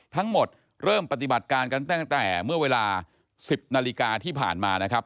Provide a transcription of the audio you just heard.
ทั้งหมดเริ่มปฏิบัติการกันตั้งแต่เมื่อเวลา๑๐นาฬิกาที่ผ่านมานะครับ